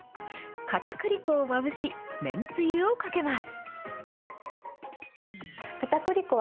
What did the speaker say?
かたくり粉をまぶし、麺つゆをかけます。